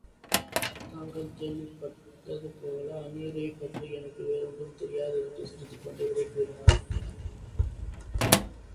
தாங்கள் கேள்விப் பட்டதுபோல ஆருணியைப் பற்றி எனக்கு வேறு ஒன்றும் தெரியாது என்று சிரித்துக் கொண்டே விடை கூறினாள்.